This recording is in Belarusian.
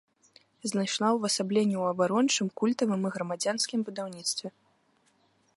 Знайшла ўвасабленне ў абарончым, культавым і грамадзянскім будаўніцтве.